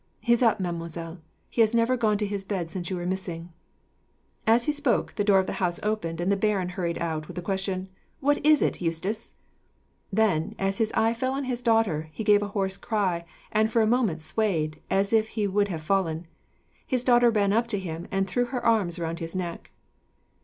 He is up, mademoiselle. He has never gone to his bed since you were missing." As he spoke, the door of the house opened, and the baron hurried out, with the question, "What is it, Eustace?" Then, as his eye fell on his daughter, he gave a hoarse cry, and for a moment swayed, as if he would have fallen. His daughter ran up to him, and threw her arms round his neck.